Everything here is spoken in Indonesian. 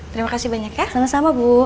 terima kasih banyak ya